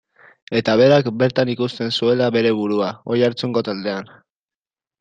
Eta berak, bertan ikusten zuela bere burua, Oiartzungo taldean.